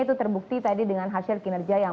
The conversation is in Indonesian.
itu terbukti tadi dengan hasil kinerja yang